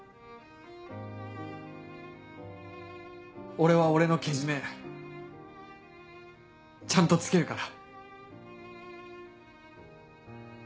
俺は俺のケジメちゃんとつけるから。